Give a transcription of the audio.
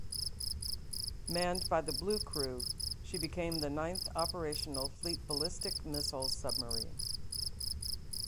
Manned by the Blue crew, she became the ninth operational fleet ballistic missile submarine.